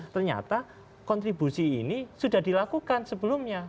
ternyata kontribusi ini sudah dilakukan sebelumnya